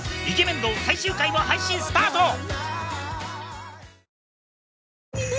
『イケメン道』最終回も配信スタート！